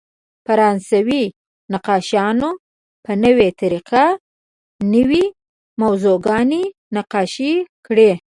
فرانسوي نقاشانو په نوې طریقه نوې موضوعګانې نقاشي کړې.